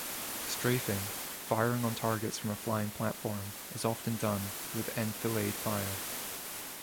Strafing, firing on targets from a flying platform, is often done with enfilade fire.